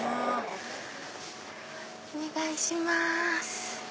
お願いします。